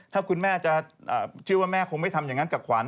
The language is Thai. ถ้าคุณแม่จะเชื่อว่าแม่คงไม่ทำอย่างนั้นกับขวัญ